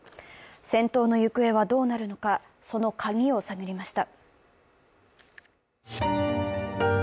先頭の行方はどうなるのか、そのカギを探りました。